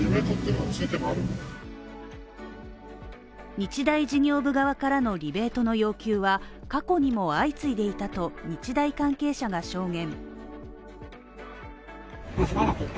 日大事業部側からのリベートの要求は過去にも相次いでいたと、日大関係者が証言。